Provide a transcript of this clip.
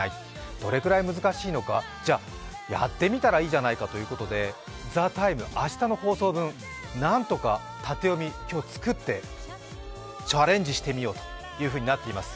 どれくらい難しいのかやってみたらいいじゃないかということで「ＴＨＥＴＩＭＥ，」明日の放送分、何とか縦読み今日作って、チャレンジしてみようというふうになっています。